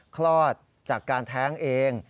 คลอดจากการแท้งเอง